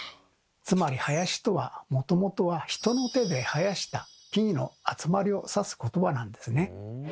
つまり「林」とはもともとは人の手で生やした木々の集まりを指すことばなんですね。